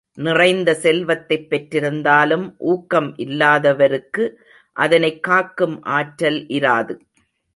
நிறைந்த செல்வத்தைப் பெற்றிருந்தாலும் ஊக்கம் இல்லாதவருக்கு அதனைக் காக்கும் ஆற்றல் இராது.